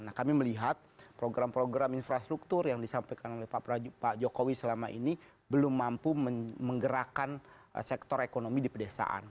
nah kami melihat program program infrastruktur yang disampaikan oleh pak jokowi selama ini belum mampu menggerakkan sektor ekonomi di pedesaan